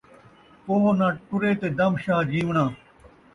کوہ ناں ٹرے تے دم شاہ جیوݨاں